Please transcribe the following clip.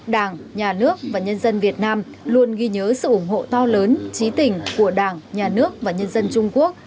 đảng nhà nước và nhân dân việt nam luôn ghi nhớ sự ủng hộ to lớn trí tình của đảng nhà nước và nhân dân trung quốc